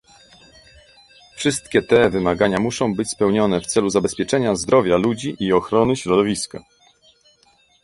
Wszystkie te wymagania muszą być spełnione w celu zabezpieczenia zdrowia ludzi i ochrony środowiska